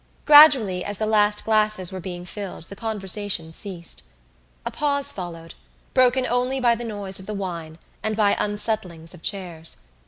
Gradually as the last glasses were being filled the conversation ceased. A pause followed, broken only by the noise of the wine and by unsettlings of chairs.